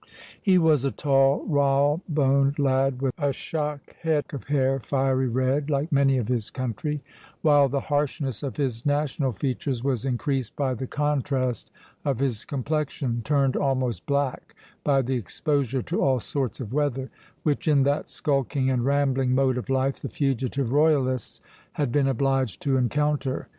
He was a tall, rawboned lad, with a shock head of hair, fiery red, like many of his country, while the harshness of his national features was increased by the contrast of his complexion, turned almost black by the exposure to all sorts of weather, which, in that skulking and rambling mode of life, the fugitive royalists had been obliged to encounter.